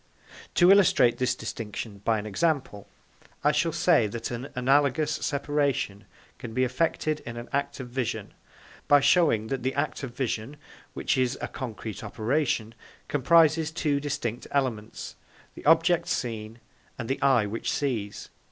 To illustrate this distinction by an example, I shall say that an analogous separation can be effected in an act of vision, by showing that the act of vision, which is a concrete operation, comprises two distinct elements: the object seen and the eye which sees.